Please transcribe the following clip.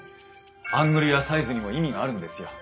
アングルやサイズにも意味があるんですよ。